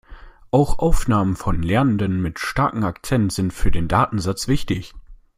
Auch Aufnahmen von Lernenden mit starkem Akzent sind für den Datensatz wichtig.